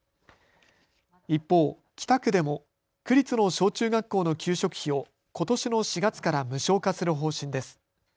一方、北区でも区立の小中学校の給食費をことしの４月から無償化する方針です。